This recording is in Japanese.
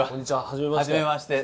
初めまして。